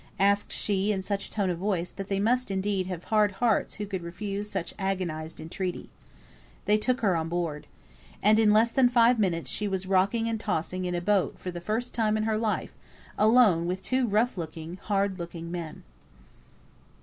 asked she, in such a tone of voice, that they must indeed have had hard hearts who could refuse such agonised entreaty. They took her on board. And in less than five minutes she was rocking and tossing in a boat for the first time in her life, alone with two rough, hard looking men.